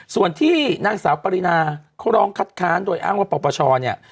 ส่วนที่นางสาวปรินาเขาร้องคัดค้านโดยอ้างว่าปปชเนี่ย